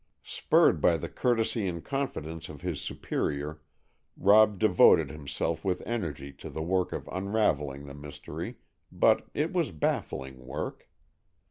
Spurred by the courtesy and confidence of his superior, Rob devoted himself with energy to the work of unravelling the mystery, but it was baffling work.